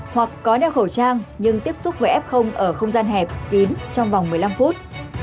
hoặc có đeo khẩu trang nhưng tiếp xúc với f ở không gian hẹp kín trong vòng một mươi năm phút